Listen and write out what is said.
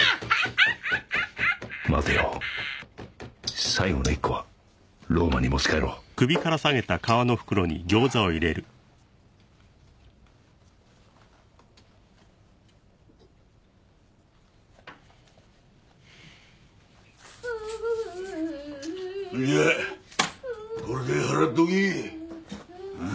待てよ最後の１個はローマに持ち帰ろうそれじゃこれで払っときぃんん？